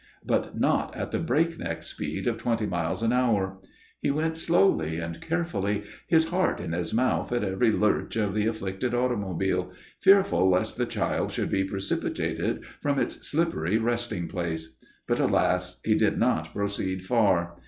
But not at the break neck speed of twenty miles an hour. He went slowly and carefully, his heart in his mouth at every lurch of the afflicted automobile, fearful lest the child should be precipitated from its slippery resting place. But, alas! he did not proceed far.